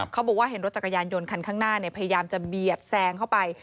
เขาบอกว่าเห็นรถจักรยานยนต์คันข้างหน้าพยายามจะเบียดแซงเข้าไป